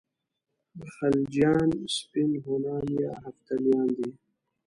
خلجیان سپین هونان یا هفتالیان دي.